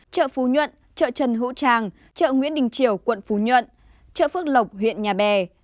chợ phú nhuận chợ trần hữu tràng chợ nguyễn đình triều quận phú nhuận chợ phước lộc huyện nhà bè